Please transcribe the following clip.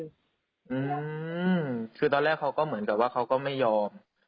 อืมคือตอนแรกเขาก็เหมือนกับว่าเขาก็ไม่ยอม